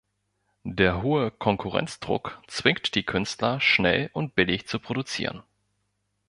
Der hohe Konkurrenzdruck zwingt die Künstler, schnell und billig zu produzieren.